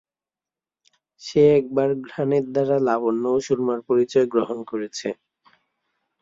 সে একবার ঘ্রাণের দ্বারা লাবণ্য ও সুরমার পরিচয় গ্রহণ করেছে।